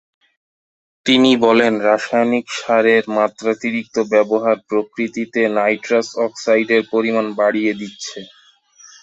তিনি বলেন, রাসায়নিক সারের মাত্রাতিরিক্ত ব্যবহার প্রকৃতিতে নাইট্রাস অক্সাইডের পরিমাণ বাড়িয়ে দিচ্ছে।